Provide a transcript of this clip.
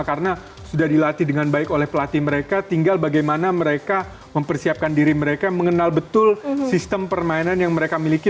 karena sudah dilatih dengan baik oleh pelatih mereka tinggal bagaimana mereka mempersiapkan diri mereka mengenal betul sistem permainan yang mereka miliki